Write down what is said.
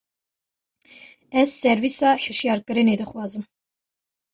Ez servîsa hişyarkirinê dixwazim.